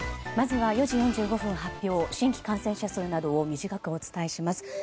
まずは４時４５分発表新規感染者数などを短くお伝えします。